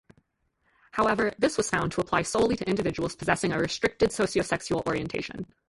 However, this was found to apply solely to individuals possessing a restricted sociosexual orientation.